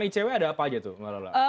di cw ada apa aja tuh